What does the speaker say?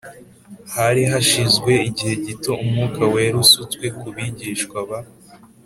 Hari hashize igihe gito umwuka wera usutswe ku bigishwa ba